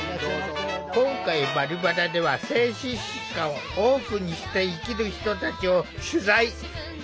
今回「バリバラ」では精神疾患をオープンにして生きる人たちを取材。